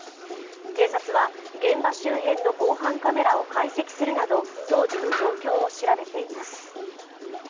警察は現場周辺の防犯カメラを解析するなど当時の状況を調べています。